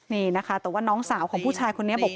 นี่นะคะแต่ว่าน้องสาวของผู้ชายคนนี้บอก